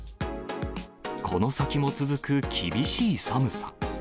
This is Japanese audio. この先も続く厳しい寒さ。